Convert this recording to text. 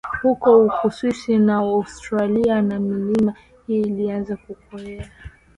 Huko Uswisi na Austria na milima hii ilianza kutokea